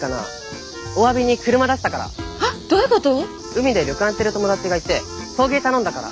海で旅館やってる友達がいて送迎頼んだから。